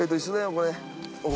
これ。